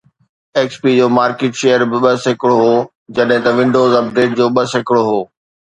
X P جو market share ٻه سيڪڙو هو جڏهن ته ونڊوز ايٽ جو ٻه سيڪڙو هو